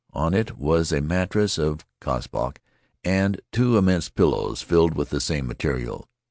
On it was a mattress of kspoh and two immense pillows filled with the same material.